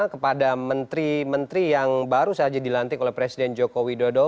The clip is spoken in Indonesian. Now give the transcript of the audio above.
kepada menteri menteri yang baru saja dilantik oleh presiden joko widodo